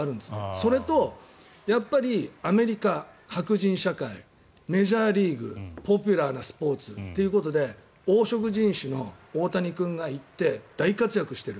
それと、アメリカ白人社会、メジャーリーグポピュラーなスポーツということで黄色人種の大谷君が行って大活躍している。